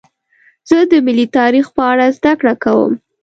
زه د ملي تاریخ په اړه زدهکړه کوم.